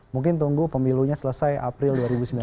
mungkin tunggu pemilunya selesai april dua ribu sembilan belas